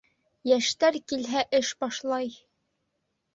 Йәштәр килһә эш башлай